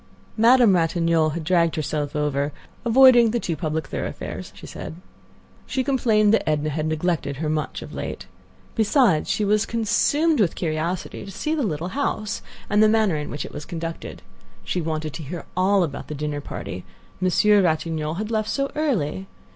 Madame Ratignolle had dragged herself over, avoiding the too public thoroughfares, she said. She complained that Edna had neglected her much of late. Besides, she was consumed with curiosity to see the little house and the manner in which it was conducted. She wanted to hear all about the dinner party; Monsieur Ratignolle had left so early.